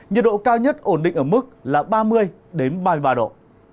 nhiệt độ cao nhất ổn định ở mức là ba mươi ba mươi ba độ